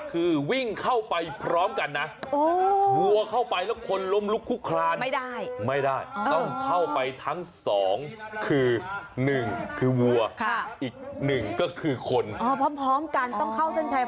คนวิ่งแข่งกับวัวเหรอครับวิ่งตามวัวเหรอคะ